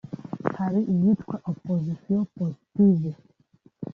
hari iyitwa Opposition Positive